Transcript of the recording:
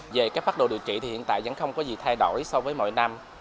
về các phát đồ điều trị thì hiện tại vẫn không có gì thay đổi so với mọi năm